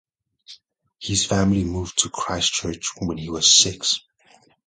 His family moved to Christchurch when he was six.